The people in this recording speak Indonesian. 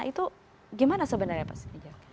itu bagaimana sebenarnya pak siti njak